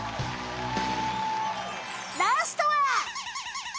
ラストは。